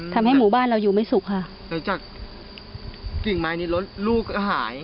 ทำให้หมู่บ้านเราอยู่ไม่สุกค่ะหลังจากกิ่งไม้ในรถลูกก็หาย